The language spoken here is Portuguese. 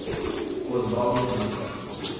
Osvaldo Cruz